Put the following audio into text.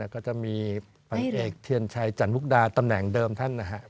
ก็จะมีพันเอกเทียนชัยจันมุกดาตำแหน่งเดิมท่านนะครับ